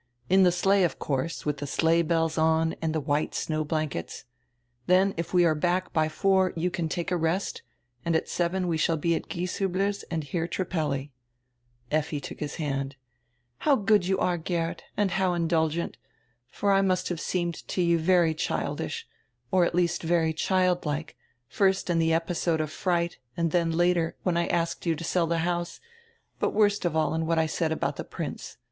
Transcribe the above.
In the sleigh, of course, with tire sleigh bells on and the white snow blankets. Then if we are back by four you can take a rest, and at seven we shall be at Gieshiibler's and hear Trippelli." Effi took his hand. "How good you are, Geert, and how indulgent! For I nrust have seenred to you very childish, or at least very childlike, first in tire episode of fright and then, later, when I asked you to sell the house, but worst of all in what I said about tire Prince.